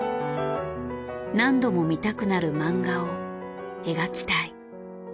何度も見たくなる漫画を描きたい。